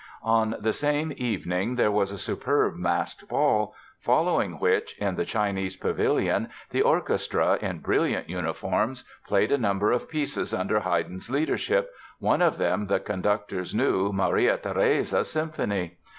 On the same evening there was a superb masked ball, following which, in the Chinese Pavilion, the orchestra, in brilliant uniforms, played a number of pieces under Haydn's leadership, one of them the conductor's new "Maria Theresia" Symphony.